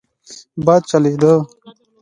باد چلېده.